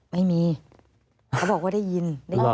ไม่มีเขาบอกว่าได้ยิน